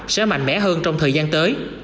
sẽ mạnh mẽ hơn trong thời gian tới